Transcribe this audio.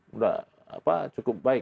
sudah cukup baik